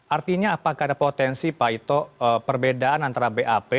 artinya apakah ada potensi pak ito perbedaan antara bap